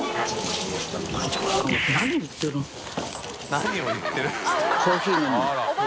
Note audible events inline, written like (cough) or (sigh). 「何を言ってる」 (laughs)